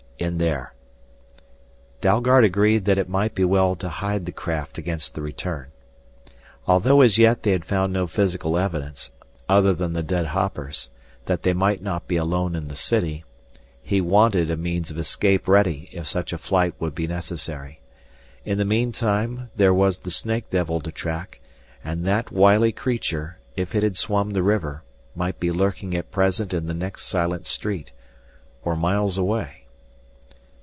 "In there " Dalgard agreed that it might be well to hide the craft against the return. Although as yet they had found no physical evidence, other than the dead hoppers, that they might not be alone in the city, he wanted a means of escape ready if such a flight would be necessary. In the meantime there was the snake devil to track, and that wily creature, if it had swum the river, might be lurking at present in the next silent street or miles away.